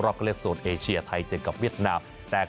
รอบก็เรียกโสดเอเชียไทยเจนกับเวียดนาป